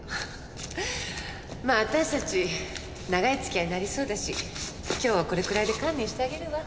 まあ私たち長い付き合いになりそうだし今日はこれくらいで勘弁してあげるわ。